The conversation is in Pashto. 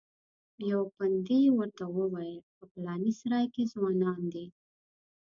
یوه پندي ورته وویل په پلانې سرای کې ځوانان دي.